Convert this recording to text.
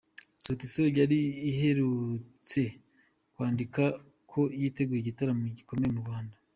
Sauti Sol yo yari inaherutse kwandika ko “yiteguye igitaramo gikomeye mu Rwanda”.